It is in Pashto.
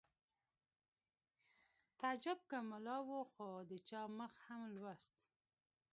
تعجب که ملا و خو د چا مخ هم لوست